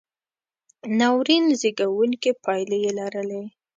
ناورین زېږوونکې پایلې یې لرلې.